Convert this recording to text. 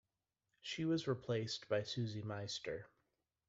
She was replaced by Susie Meister.